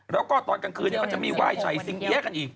แล้วก็ตอนกลางคืนเนี่ยก็จะมีว่ายไฉสิงเยอะกันอีก